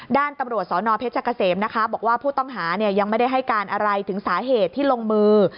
ด้านตำรวจสนเพชรเกษมนะคะบอกว่าผู้ต้องหายังไม่ได้ให้การอะไรถึงสาเหตุที่ลงมือ